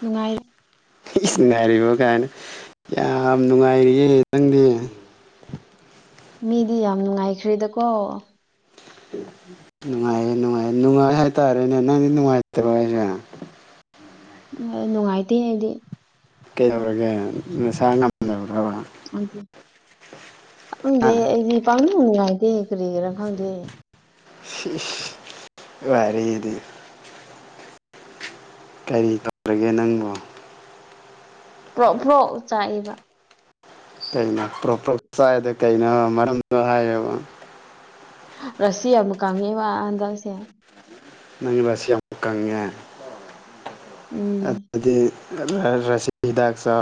ꯅꯨꯡꯉꯥꯏ ꯏꯁ ꯅꯥꯏꯔꯤꯕ ꯀꯥꯏꯅ ꯌꯥꯝ ꯅꯨꯡꯉꯥꯏꯔꯤꯌꯦ ꯅꯪꯗꯤ ꯃꯤꯗꯤ ꯌꯥꯝ ꯅꯨꯡꯉꯥꯏꯈ꯭ꯔꯦꯗꯀꯣ ꯅꯨꯡꯉꯥꯏꯌꯦ ꯅꯨꯡꯉꯥꯏꯌꯦ ꯅꯨꯡꯉꯥꯏ ꯍꯥꯏꯇꯥꯔꯦꯅꯦ ꯅꯪꯗꯤ ꯅꯨꯡꯉꯥꯏꯇ꯭ꯔꯣ ꯍꯥꯏꯁꯦ ꯎꯝ ꯅꯨꯡꯉꯥꯏꯇꯦ ꯑꯩꯗꯤ ꯀꯩꯗꯧꯔꯒꯦ ꯅꯁꯥ ꯉꯝ__ ꯑꯩꯗꯤ ꯍꯥ ꯈꯪꯗꯦ ꯑꯩꯗꯤ ꯄꯪꯅꯨꯡ ꯅꯨꯡꯉꯥꯏꯇꯦ ꯀꯔꯤꯒꯤꯔꯥ ꯈꯪꯗꯦ ꯏꯁ ꯏꯁ ꯋꯥꯔꯤꯗꯤ ꯀꯔꯤ ꯇꯧꯔꯒꯦ ꯅꯪꯕꯨ ꯄ꯭ꯔꯣꯛ ꯄ꯭ꯔꯣꯛ ꯆꯥꯛꯏꯕ ꯀꯩꯅꯣ ꯄ꯭ꯔꯣꯛ ꯄ꯭ꯔꯣꯛ ꯆꯥꯛꯏꯗꯣ ꯀꯩꯅꯣ ꯃꯔꯝꯗꯣ ꯍꯥꯏꯌꯣꯕ ꯔꯥꯁꯤ ꯌꯥꯝ ꯀꯪꯉꯦꯕ ꯍꯟꯗꯛꯁꯦ ꯅꯪꯗꯤ ꯔꯥꯁꯤ ꯌꯥꯝ ꯀꯪꯉꯦ꯫ ꯎꯝ ꯑꯗꯤ ꯔꯁꯤꯗꯥꯥꯛꯆ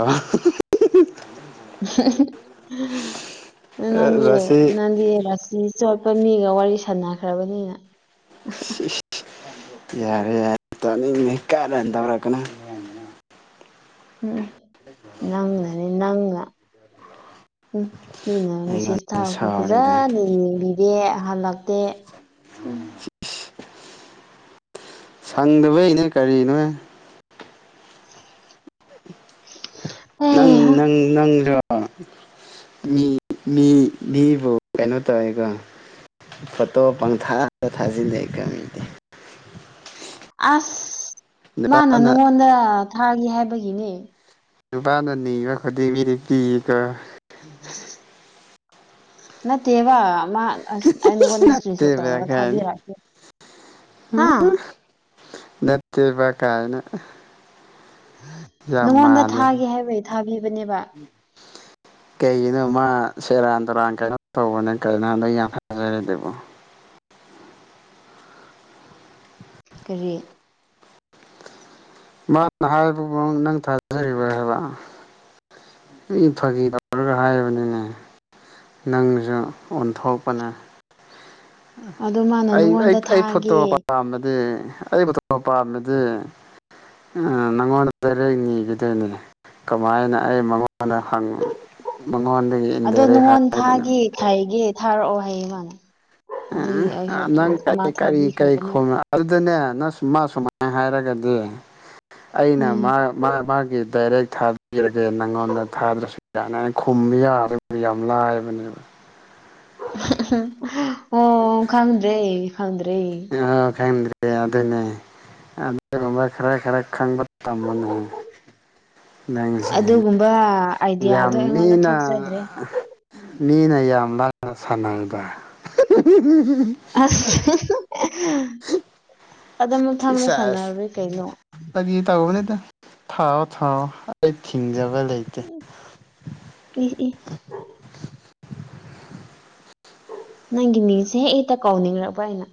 ꯅꯪꯕꯨ ꯔꯁꯤ ꯅꯪꯒꯤ ꯔꯥꯁꯤ ꯆꯠꯄ ꯃꯤꯒ ꯋꯥꯔꯤ ꯁꯥꯟꯅꯈ꯭ꯔꯕꯅꯤꯅ ꯁꯤꯁ ꯌꯥꯔꯦ ꯌꯥꯔ ꯇꯥꯅꯤꯡꯗꯦ ꯀꯥꯔꯟ ꯇꯧꯔꯛꯀꯅꯣ ꯎꯝ ꯅꯪꯅꯅꯤ ꯅꯪꯅ ꯍꯨꯝ ꯃꯤꯅ ꯃꯦꯁꯦꯁ ꯑꯩꯉꯣꯟꯗ ꯊꯥꯔꯛꯄ ꯁꯥꯎꯔꯤꯗꯣ ꯐꯖꯅ ꯌꯦꯡꯗꯦ ꯍꯜꯂꯛꯇꯦ ꯎ ꯁꯪꯗꯕꯩꯩꯅ ꯀꯔꯤꯅꯣꯍꯦ ꯍ ꯅꯪ ꯅꯪ ꯅꯪꯗꯣ ꯃꯤ ꯃꯤ ꯃꯤꯕꯨ ꯀꯩꯅꯣ ꯇꯧꯋꯦ ꯀꯣ ꯐꯣꯇꯣ ꯄꯪꯊꯥꯗ ꯊꯥꯖꯤꯜ ꯂꯛꯑꯦ ꯀꯥꯏ ꯑꯁ ꯃꯥꯅ ꯅꯨꯄꯥꯅ ꯅꯪꯉꯣꯟꯗ ꯊꯥꯒꯤ ꯍꯥꯏꯕꯒꯤꯅꯦ ꯅꯨꯄꯥꯅ ꯅꯤꯕ ꯈꯨꯗꯤꯡ ꯃꯤꯗꯤ ꯄꯤꯌꯦꯀꯣ [unintelligible] [unintelligible] ꯅꯠꯇꯦꯕ ꯃꯥ ꯑꯁ ꯑꯩ ꯅꯉꯣꯟꯗ ꯏꯁꯀ꯭ꯔꯤꯟ ꯁꯣꯠ ꯅꯠꯇꯦꯕ ꯇꯧꯔꯒ ꯀꯥꯏꯅ ꯊꯥꯕꯤꯔꯛꯀꯦ ꯍꯥ ꯅꯠꯇꯦꯕ ꯀꯥꯏꯅ ꯌꯥꯝ ꯅꯪꯉꯣꯟꯗ ꯃꯥꯜꯂꯦ ꯊꯥꯒꯦ ꯍꯥꯏꯕꯩ ꯊꯥꯕꯤꯕꯅꯦꯕ ꯀꯩꯒꯤꯅꯣ ꯃꯥ ꯁꯦꯔꯥꯟ ꯇꯨꯔꯥꯟ ꯀꯩꯅꯣ ꯇꯧꯕꯅꯦ ꯀꯅꯥꯅꯣ ꯌꯥꯝ ꯍꯥꯏꯔꯛꯏ ꯗꯨꯕꯣ ꯀꯔꯤ ꯃꯥꯅ ꯍꯥꯏꯕꯕꯨ ꯅꯪ ꯊꯥꯖꯔꯤꯕ ꯍꯥꯏꯕ ꯏ ꯐꯥꯒꯤ ꯇꯧꯔꯒ ꯍꯥꯏꯕꯅꯤꯅꯦ ꯅꯪꯖꯨ ꯑꯣꯟꯊꯣꯛꯄꯅꯦ ꯑꯗꯣ ꯃꯥꯅ ꯑꯩ ꯑꯩ ꯅꯉꯣꯟꯗ ꯑꯩ ꯐꯣꯇꯣ ꯊꯥꯒꯦ ꯄꯥꯝꯃꯗꯤ ꯑꯩ ꯐꯣꯇꯣ ꯄꯥꯝꯃꯗꯤ ꯑ ꯅꯪꯉꯣꯟꯗ ꯗꯥꯏꯔꯦꯛ ꯅꯤꯒꯗꯣꯏꯅꯤꯅꯦ ꯀꯃꯥꯏꯅ ꯑꯩ ꯃꯉꯣꯟ ꯍꯥꯟꯅ ꯍꯪꯉꯨꯅꯨ ꯃꯉꯣꯟꯗꯩꯩ ꯏꯟꯗꯥꯏꯔꯦꯛ ꯍꯥꯏꯔꯦꯗꯅ ꯍꯥꯏꯒꯦ ꯊꯥꯔꯛꯑꯣ ꯍꯥꯏꯌꯦ ꯃꯥꯅ ꯎ ꯑꯗꯨꯒꯤ ꯑꯩꯁꯨ ꯑꯥ ꯑꯗꯨꯝ ꯅꯪ ꯀ ꯑꯃ ꯀꯔꯤ ꯀꯔꯤ ꯊꯥꯕꯤꯈ꯭ꯔꯕꯅꯦ ꯈꯣꯅ ꯑꯗꯨꯗꯅꯦ ꯅꯁ ꯃꯥ ꯁꯨꯃꯥꯏ ꯍꯥꯏꯔꯒꯗꯤ ꯑꯩꯅ ꯎꯝ ꯃꯥ ꯃꯥ ꯃꯥꯒꯤ ꯗꯥꯏꯔꯦꯛ ꯊꯥꯕꯤꯔꯒꯦ ꯅꯪꯉꯣꯟꯗ ꯊꯥꯗ꯭ꯔꯁꯨ ꯌꯥꯅꯦ ꯈꯨꯝꯕꯤ ꯌꯥꯔ ꯌꯥꯝ ꯂꯥꯏꯕꯅꯦꯕ ꯑꯣ ꯈꯪꯗ꯭ꯔꯦ ꯈꯪꯗ꯭ꯔꯦ ꯑ ꯈꯪꯗ꯭ꯔꯦ ꯑꯗꯨꯅꯦ ꯑꯗꯨꯒꯨꯝꯕ ꯈꯔ ꯈꯔ ꯈꯪꯕ ꯇꯝꯃꯨꯅꯦꯍꯦ ꯅꯪꯁꯤꯗꯤ ꯑꯗꯨꯒꯨꯝꯕ ꯌꯥꯝ ꯑꯥꯏꯗꯤꯌꯥꯗꯣ ꯑꯩꯉꯣꯟꯗ ꯃꯤꯅ ꯊꯣꯛꯆꯗ꯭ꯔꯦ ꯃꯤꯅ ꯌꯥꯝ ꯂꯥꯏꯅ ꯁꯥꯟꯅꯩꯗ ꯑꯁ ꯑꯗꯨ ꯃꯊꯪꯗ ꯁꯥꯟꯅꯔꯔꯣꯏ ꯀꯩꯅꯣ ꯐꯒꯤ ꯇꯧꯕꯅꯦꯗ ꯊꯥꯎꯑꯣ ꯊꯥꯎꯑꯣ ꯑꯩ ꯊꯤꯡꯖꯕ ꯂꯩꯇꯦ ꯍꯨꯝ ꯏ ꯏ ꯅꯪꯒꯤ ꯃꯤꯡꯁꯦ ꯑꯩ ꯍꯦꯛꯇ ꯀꯧꯅꯤꯡꯔꯛꯄ ꯑꯩꯅ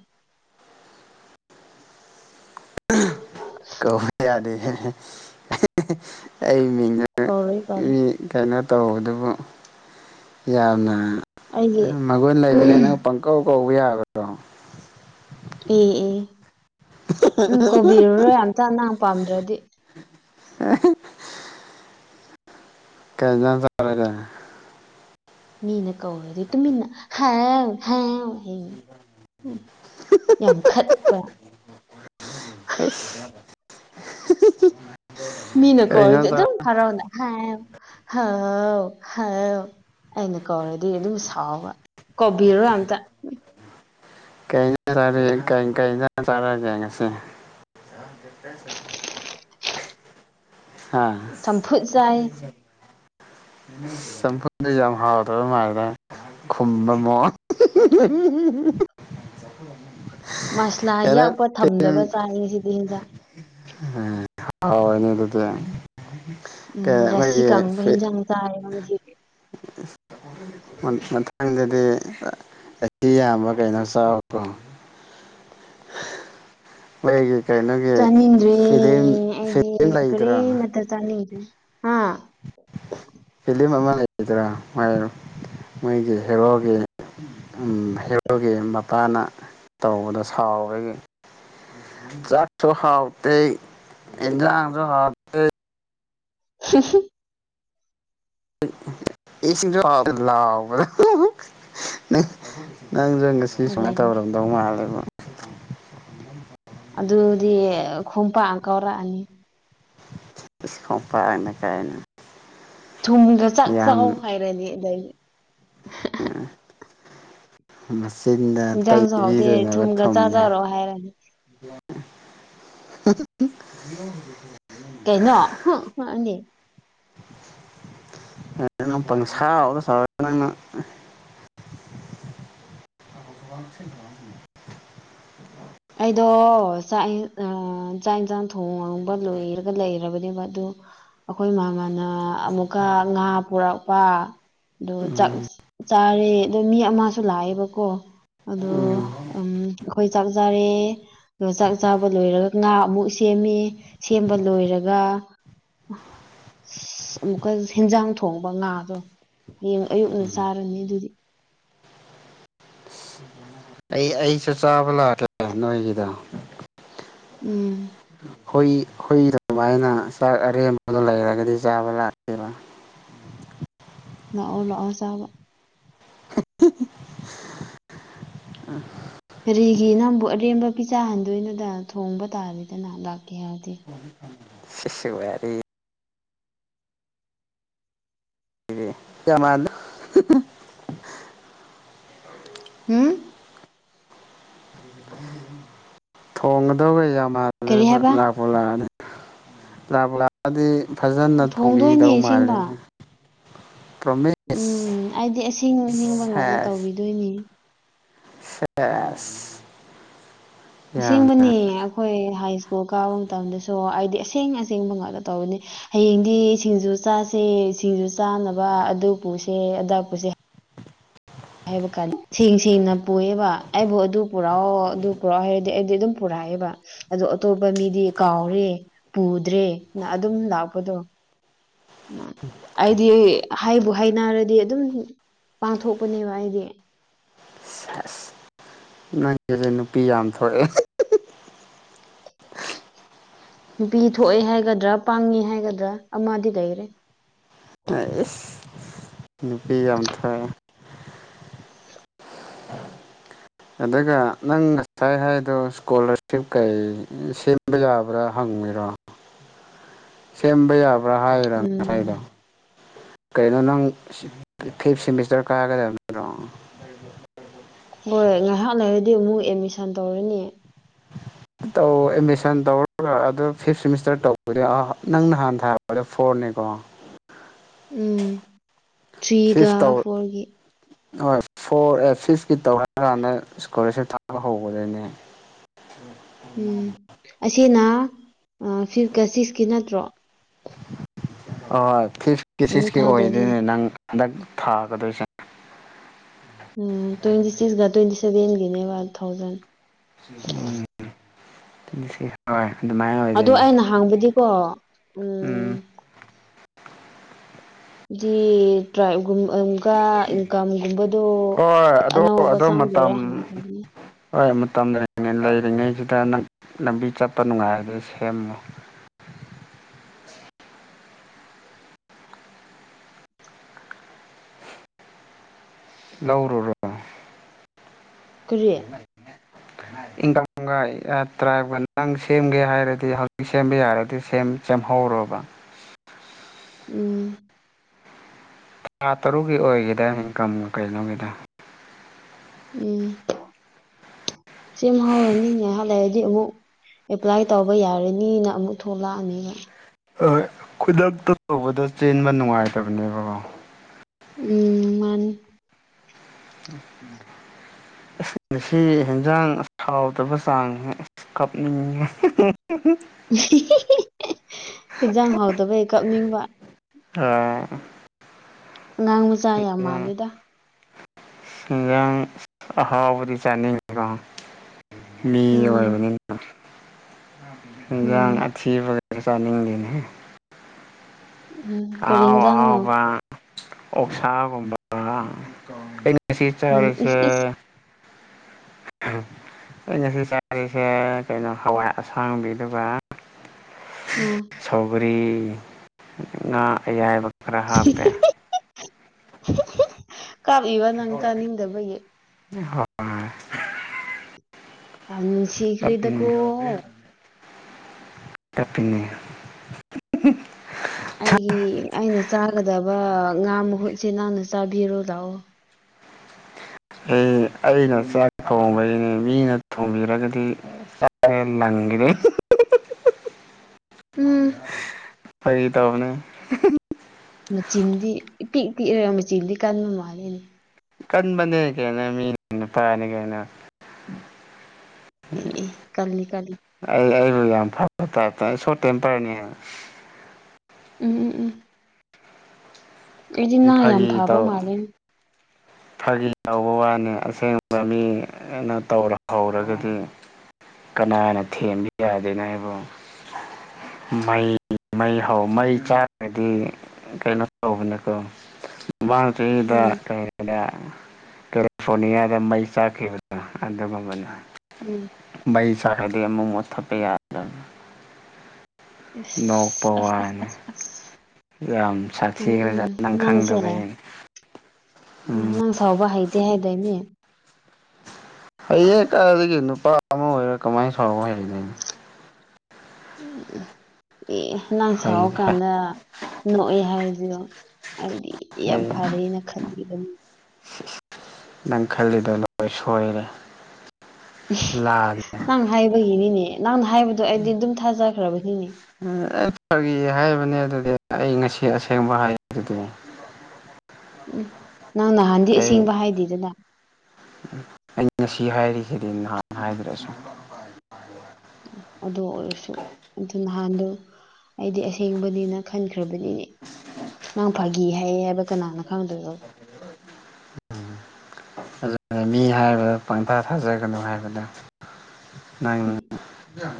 [unintelligible] ꯀꯧꯕ ꯌꯥꯗꯦ ꯑꯩ ꯃꯤꯡꯗꯣ ꯀꯧꯔꯦ ꯀꯧꯔꯦ ꯃꯤ ꯀꯩꯅꯣ ꯇꯧꯕꯗꯨꯕꯨ ꯌꯥꯝꯅ ꯑꯩꯒꯤ ꯃꯒꯨꯟ ꯂꯩꯕꯅꯦ ꯅꯪ ꯄꯪꯀꯧ ꯀꯧꯕ ꯌꯥꯕ꯭ꯔꯣ ꯑꯦ ꯑꯦ ꯎꯝ ꯀꯧꯕꯤꯔꯔꯣꯏ ꯑꯝꯇ ꯅꯪ ꯄꯥꯝꯗ꯭ꯥꯔꯗꯤ [unintelligible] ꯀꯩ ꯏꯟꯖꯥꯡ ꯆꯥꯔꯒꯦ ꯃꯤꯅ ꯀꯧꯔꯗꯤ ꯇꯨꯃꯤꯟꯅ ꯍꯥꯎ ꯍꯥꯎ ꯍꯩ ꯍꯝ ꯌꯥꯝ ꯈꯠꯄ꯭ꯥꯔ ꯑꯁ ꯃꯤꯅ ꯀꯩ ꯀꯧꯔꯗꯤ ꯏꯟꯖꯥꯡ ꯆꯥ ꯑꯗꯨꯝ ꯍꯔꯥꯎꯅ ꯍꯥꯎ ꯍꯥꯎ ꯍꯥꯎ ꯑꯩꯅ ꯀꯧꯔꯗꯤ ꯑꯗꯨꯝ ꯁꯥꯎꯕ ꯀꯧꯕꯤꯔꯣꯏ ꯑꯝꯇ [unintelligible] ꯀꯩ ꯏꯟꯖꯥꯡ ꯆꯥꯔꯒ‌ꯦ ꯀꯩ ꯀꯩ ꯏꯟꯖꯥꯡ ꯆꯥꯔꯛꯑꯒ‌ꯦ ꯉꯁꯤ [unintelligible] ꯍꯥ ꯆꯝꯐꯨꯠ ꯆꯥꯏ [unintelligible] ꯆꯝꯐꯨꯠꯅ‌ꯦ ꯌꯥꯝ ꯍꯥꯥꯎꯇꯕ ꯃꯥꯥꯏꯂ‌ꯦꯗ ꯈꯨꯝꯕꯃꯣ [unintelligible] ꯃꯁꯂꯥ ꯌꯥꯛꯄ ꯊꯝꯗꯕ ꯆꯥꯏꯌ‌ꯦ ꯉꯁꯤꯗꯤ ꯍ‌ꯦꯟꯖꯥꯡ ꯍꯥ ꯍꯥꯎꯔꯅꯤ ꯑꯗꯨꯗꯤ ꯀꯥ ꯎꯝ ꯔꯁꯤ ꯃꯩꯔ‌ꯦ ꯀꯪꯕ ꯐꯔꯤꯠ ꯍꯦꯟꯖꯥꯡ ꯆꯥꯏꯌꯦꯕ ꯉꯁꯤ ꯃꯊꯪꯗꯗꯤ ꯑꯍꯤ ꯌꯥꯝꯕ ꯀꯩꯅꯣ ꯆꯥꯎꯔ‌ꯣꯀꯣ ꯃꯩ‌ꯩꯒꯤ ꯀꯩꯅꯣꯒꯤ ꯐꯤꯂꯝ ꯆꯅꯤꯡꯗ꯭ꯔ‌ꯦ ꯑꯩꯗꯤ ꯐꯤꯂꯝ ꯀꯔꯤ ꯂꯩꯗ꯭ꯔꯥ ꯃꯇꯥ ꯆꯅꯤꯗꯔ‌ꯦ ꯍꯥ ꯐꯤꯂꯝ ꯑꯃ ꯂꯩꯗ꯭ꯔꯥ ꯃꯥꯏ ꯃꯣꯏꯒꯤ ꯍꯦꯔꯣꯒꯤ ꯍꯦꯔꯣꯒꯤ ꯃꯄꯥꯅ ꯇꯧꯕꯗ ꯁꯥꯎꯕꯒꯤ ꯆꯥꯥꯛꯁꯨ ꯍꯥꯎꯇ‌ꯦ ꯏꯦꯟꯖꯥꯡꯁꯨ ꯍꯥꯎꯇ‌ꯦ [unintelligible] ꯏꯁꯤꯡꯁꯨ ꯍꯥꯎꯋ‌ꯦ ꯂꯥꯎꯕꯗ ꯅꯪ ꯅꯪꯁꯨ ꯉꯥꯏ ꯁꯤ ꯁꯨꯃꯥꯏꯅ ꯑꯗꯩꯅꯤ ꯇꯧꯔꯝꯗꯧ ꯃꯥꯜꯂꯦꯕ ꯑꯗꯨꯗꯤ ꯈ‌ꯣꯡꯄꯥꯛꯅ ꯀꯥꯎꯔꯛꯑꯅꯤ ꯏꯁ ꯈꯣꯡꯄꯥꯛꯅ ꯀꯥꯏꯅ ꯊꯨꯝꯒ ꯆꯥꯛ ꯆꯥꯎ ꯌꯥꯝ ꯍꯥꯏꯔꯅꯤ ꯑꯗꯩꯗꯤ ꯎ ꯃꯆꯤꯟꯗ ꯏꯟꯖꯥꯡꯁꯨ ꯍꯥꯎꯇꯦ ꯇꯩꯕꯤꯗ‌ꯣꯏꯅ‌ꯦꯕ ꯊꯨꯝꯒ ꯊꯨꯝꯅ ꯆꯥꯖꯔꯣ ꯍꯥꯏꯔꯅꯤ [unintelligible] [unintelligible] ꯀꯩꯅꯣ ꯍ‌ꯨꯠ [unintelligible] [unintelligible] ꯅꯪꯅ [unintelligible] ꯑꯩꯗꯣ ꯆꯥꯛ ꯏꯟ ꯑ ꯆꯥꯛ ꯏꯟꯁꯥꯡ ꯊꯣꯡꯕ ꯂꯣꯏꯔ ꯂꯩꯔꯕꯅꯦꯕ ꯑꯗꯨ ꯑꯩꯈꯣꯏ ꯃꯥꯝꯃ ꯑ ꯑꯃꯨꯛꯀ ꯉꯥ ꯄꯨꯔꯛꯄ ꯑꯗꯨ ꯆꯥꯛ ꯎꯝ ꯆꯥꯔꯦ ꯑꯗꯣ ꯃꯤ ꯑꯃꯁꯨ ꯂꯥꯛꯑꯦꯕꯀꯣ ꯑꯗꯣ ꯎꯝ ꯎꯝ ꯑꯩꯈꯣꯏ ꯖꯥꯔꯦ ꯆꯥꯛ ꯆꯥꯕ ꯂꯣꯏꯔꯒ ꯉꯥ ꯑꯃꯨꯛ ꯁꯦꯝꯃꯤ ꯁꯦꯝꯕ ꯂꯣꯏꯔꯒ ꯑ ꯑꯁ ꯑꯃꯨꯛꯀ ꯍꯦꯟꯖꯥꯡ ꯊꯣꯡꯕ ꯉꯥꯗꯣ ꯍꯌꯦꯡ ꯑꯌꯨꯛꯅ ꯆꯥꯔꯅꯤ ꯑꯗꯨꯒꯤ ꯑꯩ ꯑꯩꯁꯨ ꯆꯥꯕ ꯂꯥꯛꯀꯦ ꯅꯣꯏꯒꯤꯗ ꯎꯝ ꯍꯨꯏ ꯍꯨꯏ ꯗꯨꯃꯥꯏꯅ ꯆꯥꯛ ꯑꯔꯦꯝꯕꯗꯣ ꯂꯩꯔꯒꯗꯤ ꯆꯥꯕ ꯂꯥꯛꯀꯦꯕꯥ ꯂꯥꯛꯑꯣ ꯂꯥꯛꯑꯣ ꯆꯥꯕ [unintelligible] ꯀꯔꯤꯒꯤ ꯅꯪꯕꯨ ꯑꯔꯦꯝꯕ ꯄꯤ ꯆꯥ ꯍꯟꯗꯣꯏꯅꯣꯗ ꯊꯣꯡꯕ ꯇꯥꯔꯦꯗꯅ ꯂꯥꯛꯀꯦ ꯍꯥꯏꯔꯗꯤ ꯋꯥꯔꯤ ꯆꯥꯃꯥꯜꯂꯨ ꯍꯨꯡ ꯊꯣꯡꯒꯗꯧꯕ ꯌꯥꯝ ꯀꯔꯤ ꯃꯥꯜꯂꯦꯕ ꯍꯥꯏꯕ ꯂꯥꯛꯄꯨ ꯂꯥꯛꯑꯅꯤ ꯂꯥꯛꯄꯨ ꯂꯥꯛ ꯑꯗꯤ ꯐꯖꯅ ꯊꯣꯡꯗꯣꯏꯅꯦ ꯊꯣꯡꯕꯤꯗꯧ ꯃꯥꯜꯂꯦ ꯑꯁꯦꯡꯕ ꯄ꯭ꯔꯣꯃꯤ ꯎꯝ ꯑꯩꯗꯤ ꯑꯁꯦꯡ ꯑꯁꯤꯡꯕ ꯉꯥꯛꯇ ꯇꯧꯕꯤꯗꯣꯏꯅꯤ ꯁꯦꯁ ꯌꯥꯝꯅ ꯑꯁꯦꯡꯕꯅꯤ ꯑꯩꯈꯣꯏ ꯍꯥꯏ ꯁ꯭ꯀꯨꯜ ꯀꯥꯕ ꯃꯇꯝꯗꯁꯨ ꯑꯩꯗꯤ ꯑꯁꯦꯡ ꯑꯁꯦꯡꯕ ꯉꯥꯛꯇ ꯇꯧꯕꯅꯤ ꯍꯌꯦꯡꯗꯤ ꯁꯤꯡꯖꯨ ꯆꯥꯁꯦ ꯁꯤꯡꯖꯨ ꯆꯥꯅꯕ ꯑꯗꯨ ꯄꯨꯁꯦ ꯑꯗꯥ ꯄꯨꯁꯦ ꯍꯥꯏꯕ ꯀꯥꯟ ꯁꯦꯡ ꯁꯦꯡꯅ ꯄꯨꯑꯦꯕ ꯑꯩꯕꯨ ꯑꯗꯨ ꯄꯨꯔꯛꯑꯣ ꯑꯗꯨ ꯄꯨꯔꯛꯑꯣ ꯍꯥꯏꯔ ꯑ ꯑꯩꯗꯤ ꯑꯗꯨꯝ ꯄꯨꯔꯛꯑꯦꯕ ꯑꯗꯣ ꯑꯇꯣꯞꯄ ꯃꯤꯗꯤ ꯀꯥꯎꯔꯦ ꯄꯨꯗ꯭ꯔꯦ ꯅ ꯑꯗꯨꯝ ꯂꯥꯛꯄꯗꯣ ꯑꯩꯗꯤ ꯍꯥꯏꯕꯨ ꯍꯥꯏꯅꯔꯗꯤ ꯑꯗꯨꯝ ꯄꯥꯡꯊꯣꯛꯄꯅꯦꯕ ꯑꯩꯗꯤ ꯁꯦꯁ ꯅꯪꯒꯤꯁꯦ ꯅꯨꯄꯤ ꯌꯥꯝ ꯊꯣꯛꯑꯦ ꯅꯨꯄꯤ ꯊꯣꯛꯑꯦ ꯍꯥꯏꯒꯗ꯭ꯔꯥ ꯄꯥꯡꯉꯦ ꯍꯥꯏꯒꯗ꯭ꯔꯥ ꯑꯃꯥꯗꯤ ꯂꯩꯔꯦ ꯍꯥꯏꯁ ꯅꯨꯄꯤ ꯌꯥꯝ ꯊꯣꯛꯑꯦ ꯑꯗꯨꯒ ꯅꯪ ꯉꯁꯥꯏ ꯍꯥꯏꯗꯣ ꯏꯁꯀꯣꯂꯔꯁꯤꯞ ꯀꯩ ꯁꯤꯝ ꯕ ꯌꯥꯕ꯭ꯔꯥ ꯍꯪꯉꯤꯔꯣ [unintelligible] ꯁꯦꯝꯕ ꯌꯥꯕ꯭ꯔꯥ ꯍꯥꯏꯔ ꯎꯝ ꯉꯁꯥꯏꯗꯣ ꯀꯩꯅꯣ ꯅꯪ ꯐꯤꯞ ꯁꯦꯃꯤꯁꯇꯔ ꯀꯥꯔꯒ ꯂꯩꯔꯝ ꯅꯠꯇ꯭ꯔꯣ ꯍꯣꯏ ꯉꯥꯏꯍꯥꯛ ꯂꯩꯔꯗꯤ ꯑꯃꯨꯛ ꯑꯦꯗꯃꯤꯁꯟ ꯇꯧꯔꯅꯤ ꯇꯧ ꯑꯦꯗꯃꯤꯁꯟ ꯇꯧꯔꯒ ꯑꯗꯨ ꯐꯤꯞ ꯁꯦꯃꯤꯁꯇꯔ ꯇꯧꯕꯗ ꯑ ꯅꯪ ꯅꯍꯥꯟ ꯊꯥꯔꯛꯄꯗꯣ ꯐꯣꯔꯅꯤꯀꯣ ꯎꯝ ꯊ꯭ꯔꯤꯒ ꯐꯤꯐ ꯇꯧ ꯐꯣꯔꯒꯤ ꯍꯣꯏ ꯐꯣꯔ ꯑꯦ ꯐꯤꯐꯀꯤ ꯇꯧꯔꯀꯥꯟꯗ ꯏꯁꯀꯣꯂꯥꯔꯁꯤꯞ ꯊꯥꯕ ꯍꯧꯕꯗꯣꯏꯅꯦ ꯎꯝ ꯑꯁꯤꯅ ꯑ ꯐꯤꯐꯀ ꯁꯤꯛꯁꯀꯤ ꯅꯠꯇ꯭ꯔꯣ ꯑꯍꯣꯏ ꯐꯤꯐꯀꯤ ꯑꯃꯨꯛ ꯁꯤꯛꯁꯀꯤ ꯊꯥꯗꯣꯏꯅꯦ ꯑꯣꯏꯗꯣꯏꯅꯦ ꯅꯪ ꯍꯟꯗꯛ ꯊꯥꯒꯗꯣꯏꯁꯦ ꯎꯝ ꯇ꯭ꯋꯦꯟꯇꯤ ꯁꯤꯛꯁꯀ ꯇ꯭ꯋꯦꯟꯇꯤ ꯁꯚꯦꯟꯒꯤꯅꯦꯕ ꯊꯥꯎꯖꯟ ꯎꯝ ꯇ꯭ꯋꯦꯟꯇꯤ ꯁꯤꯛꯁ ꯍꯣꯏ ꯑꯗꯨꯃꯥꯏꯟ ꯑꯣꯏꯗꯣꯏꯅꯦ ꯍꯥꯡꯕꯗꯤ ꯀꯣ ꯎꯝ ꯗꯤ ꯇ꯭ꯔꯥꯏꯒꯨꯝ ꯑ ꯒꯨꯝ ꯀ ꯏꯟꯀꯝꯒꯨꯝꯕꯗꯣ ꯍꯣꯏ ꯑꯗꯣ ꯑꯅꯧꯕ ꯑꯗꯣ ꯆꯪꯗꯣꯏꯔꯥ ꯃꯇꯝ ꯍꯪꯒꯦ ꯇꯧꯕꯅꯤ ꯍꯣꯏ ꯃꯇꯝ ꯂꯩꯔꯤꯉꯩ ꯂꯩꯔꯤꯉꯩꯁꯤꯗ ꯅꯪ ꯂꯝꯕꯤ ꯆꯠꯄ ꯅꯨꯡꯉꯥꯏꯔꯗꯤ ꯁꯦꯝꯃꯣ ꯂꯧꯔꯨꯔꯣ [inaudible] ꯏꯟꯀꯝꯒ ꯇ꯭ꯔꯥꯏꯞꯒ ꯅꯪ ꯁꯦꯝꯒꯦ ꯍꯥꯏꯔꯗꯤ ꯍꯧꯖꯤꯛ ꯁꯦꯝꯕ ꯌꯥꯔꯗꯤ ꯁꯦꯝ ꯆꯦꯝꯍꯧꯔꯣꯕ ꯎꯝ ꯊꯥ ꯇꯔꯨꯛꯀꯤ ꯑꯣꯏꯒꯤꯗꯥꯏꯅꯦ ꯏꯟꯀꯝꯒ ꯀꯩ ꯅꯣꯒꯤꯗꯣ ꯎꯝ ꯁꯦꯝ ꯍꯧꯔꯅꯤꯅꯦ ꯉꯩꯍꯥꯛ ꯂꯩꯔꯗꯤ ꯑꯃꯨꯛ ꯑꯦꯄ꯭ꯂꯥꯏ ꯇꯧꯕ ꯌꯥꯔꯅꯤꯅ ꯑꯃꯨꯛ ꯊꯣꯛꯂꯛꯑꯅꯤꯕ ꯍꯣꯏ ꯈꯨꯗꯛꯇ ꯇꯧꯕꯗ ꯆꯦꯟꯕ ꯅꯨꯡꯉꯥꯏꯇꯕꯅꯦꯕꯀꯣ ꯎꯝ ꯃꯥꯅꯤ ꯉꯁꯤ ꯑꯦꯟꯁꯥꯡ ꯍꯥꯎꯇꯕ ꯆꯥꯡꯗꯤ ꯀꯞꯅꯤꯡꯉꯦ ꯍꯦꯟꯁꯥꯡ ꯍꯥꯎꯇꯕꯒꯤ ꯀꯞꯅꯤꯡꯕ ꯑꯥ ꯑꯉꯥꯡ ꯃꯆꯥ ꯌꯥꯝ ꯃꯥꯜꯂꯤꯗ ꯍꯦꯟꯁꯥꯡ ꯑꯍꯥꯎꯕꯗꯤ ꯆꯅꯤꯡꯕ ꯃꯤ ꯎꯝ ꯑꯣꯏꯕꯅꯤꯅ ꯍꯦꯟꯁꯥꯡ ꯎꯝ ꯑꯊꯤꯕꯗꯤ ꯆꯥꯅꯤꯡꯗꯦꯅꯦ ꯎꯝ ꯀꯔꯤ ꯑꯍꯥꯎ ꯏꯟꯖꯥꯡꯅꯣ ꯑꯍꯥꯎꯕ ꯑꯣꯛꯁꯥꯒꯨꯝꯕ ꯑꯩꯅ ꯉꯁꯤ ꯎꯝ ꯆꯥꯔꯤꯁꯦ ꯏꯁ ꯏꯁ [inaudible] ꯑꯩꯅ ꯉꯁꯤ ꯆꯥꯔꯤꯁꯦ ꯀꯩꯅꯣ ꯍꯋꯥꯏ ꯑꯁꯥꯡꯕꯤꯗꯨꯒ ꯎꯝ ꯁꯧꯒ꯭ꯔꯤ ꯉꯥ ꯑꯌꯥꯏꯕ ꯈꯔ ꯍꯥꯞꯄꯦ ꯀꯞꯄꯤꯕ ꯅꯪ ꯆꯥꯅꯤꯡꯗꯕꯒꯤ [inaudible] ꯌꯥꯝ ꯅꯨꯡꯁꯤ ꯀꯞꯄꯤꯅꯦ ꯀꯞꯄꯤꯅꯦ ꯑꯩꯒꯤ ꯑꯩꯅ ꯆꯥꯒꯗꯕ ꯉꯥ ꯃꯍꯨꯠꯁꯦ ꯅꯪꯅ ꯆꯥꯕꯤꯔꯣ ꯂꯥꯛꯑꯣ ꯑꯩ ꯑꯩꯅ ꯆꯥꯛ ꯊꯣꯡꯕꯩꯅꯦ ꯃꯤꯅ ꯊꯣꯡꯕꯤꯔꯒꯗꯤ ꯆꯥꯛꯀ ꯂꯡꯒꯤꯅꯤ ꯎꯝ ꯐꯥꯒꯤ ꯇꯧꯕꯅꯦ ꯃꯆꯤꯟꯗꯤ ꯏꯄꯤꯛ ꯄꯤꯛꯂꯒ ꯃꯆꯤꯟꯗꯤ ꯀꯟꯕ ꯃꯥꯜꯂꯦꯅꯦ ꯀꯟꯕꯅꯦ ꯀꯩꯅꯣ ꯃꯤ ꯅꯨꯄꯥꯅꯦ ꯀꯩꯅꯣ ꯑꯦꯍꯦ ꯀꯜꯂꯤ ꯀꯜꯂꯤ ꯑꯩ ꯑꯩꯕꯨ ꯌꯥꯝ ꯐꯕ ꯇꯥꯏꯞꯇ ꯑꯩ ꯁꯣꯔꯠ ꯇꯦꯝꯄꯔꯅꯦ ꯎꯝ ꯎꯝ ꯎꯝ ꯑꯩꯗꯤ ꯅꯡ ꯌꯥꯝ ꯐꯥꯒꯤ ꯐꯥꯕ ꯇꯧ ꯃꯥꯜꯂꯦꯅꯦ ꯐꯥꯒꯤ ꯍꯧꯕ ꯋꯥꯅꯤ ꯑꯁꯦꯡꯕ ꯃꯤꯅ ꯇꯧꯔꯛꯍꯧꯔꯒꯗꯤ ꯀꯅꯥꯅ ꯊꯦꯝꯕ ꯌꯥꯗꯦꯅꯦ ꯑꯩꯕꯨ ꯃꯩ ꯃꯩ ꯍꯧ ꯃꯩ ꯆꯥꯛꯈ꯭ꯔꯗꯤ ꯀꯩꯅꯣ ꯇꯧꯕꯅꯦꯀꯣ ꯃꯃꯥꯡ ꯆꯍꯤꯗ ꯎꯝ ꯀꯦꯂꯤꯐꯣꯔꯅꯤꯌꯥꯗ ꯃꯩ ꯆꯥꯛꯈꯤꯕꯗꯣ ꯑꯗꯨꯒꯨꯝꯕꯅꯦ ꯎꯝ ꯃꯩ ꯆꯥꯛꯈ꯭ꯔꯗꯤ ꯑꯃꯨꯛ ꯃꯨꯊꯠꯄ ꯌꯗꯕꯅꯦ ꯅꯣꯛꯄ ꯑꯁ ꯑꯁ ꯑꯁ ꯋꯥꯔꯅꯤ ꯑꯁ ꯑꯁ ꯌꯥꯝ ꯎꯝ ꯎꯝ ꯁꯥꯛꯊꯤꯈ꯭ꯔꯖꯥꯠ--ꯅꯪ ꯅꯪꯁꯦ ꯈꯪꯗꯕꯩꯩ ꯅꯪ ꯁꯥꯎꯕ ꯍꯩꯇꯦ ꯍꯥꯏꯗꯥꯏꯅꯦ ꯍꯩꯌꯦ ꯀꯥꯏꯗꯒꯤ ꯅꯨꯄꯥ ꯑꯃ ꯑꯣꯏꯔ ꯀꯃꯥꯏꯅ ꯁꯥꯎ ꯍꯥꯏꯔꯤꯅꯣ ꯎꯝ ꯑꯦ ꯅꯪ ꯍꯩ ꯁꯥꯎꯔꯀꯥꯟꯗ ꯅꯣꯛꯑꯦ ꯍꯥꯏꯖꯤꯔꯣ ꯑꯩꯗꯤ ꯌꯥꯝ ꯍꯩ ꯐꯔꯦꯅ ꯈꯟꯕꯤꯕꯅꯤ ꯅꯪ ꯈꯜꯂꯤꯗꯣ ꯂꯣꯏ ꯁꯣꯏꯔꯦ ꯂꯥꯜ ꯅꯪ ꯍꯥꯏꯕꯒꯤꯅꯤꯅꯦ ꯅꯪꯅ ꯍꯥꯏꯕꯗꯣ ꯑꯩꯗꯤ ꯑꯗꯨꯝ ꯊꯥꯖꯈ꯭ꯔꯕꯅꯤꯅꯦ ꯑꯩ ꯐꯥꯒꯤ ꯍꯥꯏꯕꯅꯦ ꯑꯗꯨꯗꯤ ꯑꯩ ꯉꯁꯤ ꯑꯁꯦꯡꯕ ꯍꯥꯏꯔꯤꯗꯨꯗꯤ ꯎꯝ ꯅꯪ ꯅꯍꯥꯟꯗꯤ ꯑꯩ ꯑꯁꯦꯡꯕ ꯍꯥꯏꯗꯦꯗꯅ ꯑꯩ ꯉꯁꯤ ꯍꯥꯏꯔꯤꯁꯤꯗꯤ ꯅꯍꯥꯟ ꯍꯥꯏꯗꯔꯁꯨ ꯑꯗꯨ ꯑꯣꯏꯔꯁꯨ ꯑꯗꯨ ꯅꯍꯥꯟꯗꯣ ꯑꯩꯗꯤ ꯑꯁꯦꯡꯕꯗꯤ ꯅꯪ ꯈꯟꯈ꯭ꯔꯕꯅꯤꯅꯦ ꯅꯪ ꯐꯥꯒꯤ ꯍꯩ ꯍꯥꯏꯕ ꯀꯅꯥꯅ ꯈꯪꯗꯣꯏꯅꯣ ꯑꯗꯨꯅ ꯃꯤ ꯍꯥꯏꯕꯗ ꯄꯪꯊꯥ ꯊꯥꯖꯒꯅꯨ ꯍꯥꯏꯕꯗꯣ ꯅꯪꯅ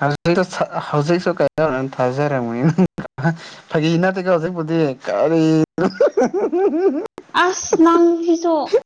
ꯍꯧꯖꯤꯛꯁꯨ-ꯍꯧꯖꯤꯛꯁꯨ ꯀꯩꯗꯧꯅ ꯊꯥꯖꯔꯝꯃꯤ [unintelligible] ꯐꯥꯒꯤ ꯅꯠꯇꯦꯀꯣ ꯑꯁꯦꯡꯕꯗꯤ ꯀꯔꯤꯅꯣ ꯑꯁ ꯅꯪꯁꯤꯁꯨ